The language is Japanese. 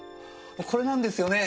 これなんですよね